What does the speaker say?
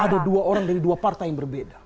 ada dua orang dari dua partai yang berbeda